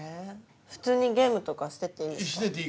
普通にゲームとかしてていい？